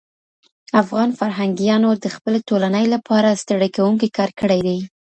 افغان فرهنګيانو د خپلي ټولني لپاره ستړی کوونکی کار کړی دی.